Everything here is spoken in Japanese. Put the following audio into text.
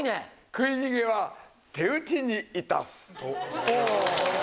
食い逃げは手討ちにいたす。